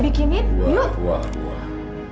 makan saya sudah buat